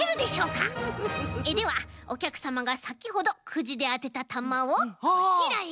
ではおきゃくさまがさきほどくじであてたたまをこちらへ。